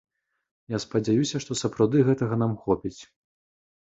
Я спадзяюся, што сапраўды гэтага нам хопіць.